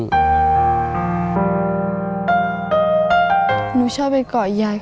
หนูชอบไปเกาะยายค่ะ